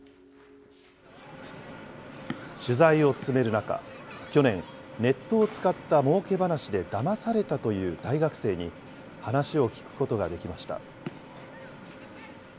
取材を進める中、去年、ネットを使ったもうけ話でだまされたという大学生に、話を聞くことができました。